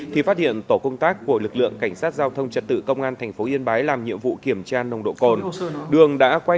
thì phát hiện tổ công tác của lực lượng cảnh sát giao thông trật tự công an tp yên bái làm nhiệm vụ kiểm tra nồng độ cồn